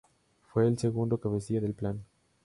Fue el segundo cabecilla del plan.